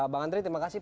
bang andri terima kasih